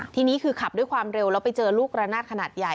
ทีนี้คือขับด้วยความเร็วแล้วไปเจอลูกระนาดขนาดใหญ่